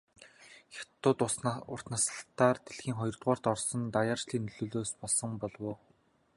Хятадууд урт наслалтаар дэлхийд хоёрдугаарт орсонд даяаршил нөлөөлсөн болов уу?